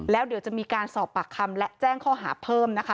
แล้วเดี๋ยวจะมีการสอบปากคำและแจ้งข้อหาเพิ่มนะคะ